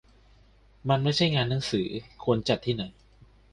มันไม่ใช่งานหนังสือควรจัดที่ไหน